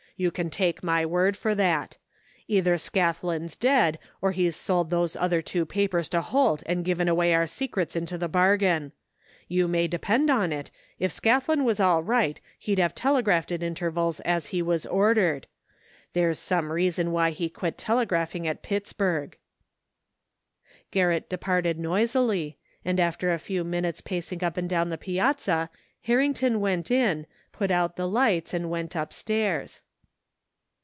You can take my word for that Either Scathlin's dead or he's sold those other two papers to Holt and given away our secrets into the bargain. You may depend on it, if Scathlin was all right he'd have telegraphed at intervals as he was ordered. There's some reason why he quit telegraphing at Pittsburgh." Garrett departed noisily, and after a few minutes pacing up and down the piazza Harrington went in, put out the lights and went upstairs.